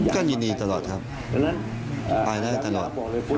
ก็ยินดีตลอดครับไปได้ตลอด